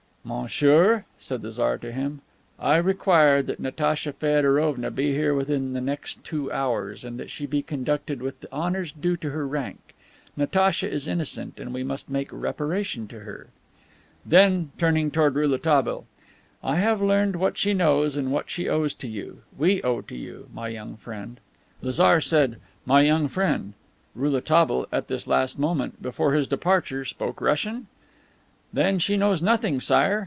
"Monsieur," said the Tsar to him, "I require that Natacha Feodorovna be here within the next two hours, and that she be conducted with the honors due to her rank. Natacha is innocent, and we must make reparation to her." Then, turning toward Rouletabille: "I have learned what she knows and what she owes to you we owe to you, my young friend." The Tsar said "my young friend." Rouletabille, at this last moment before his departure, spoke Russian? "Then she knows nothing, Sire.